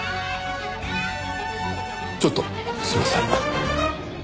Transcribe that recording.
ちょっとすいません。